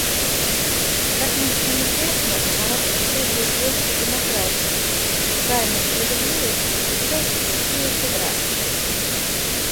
Как нам всем известно, молодежь требует больше демократии, социальной справедливости, участия и интеграции.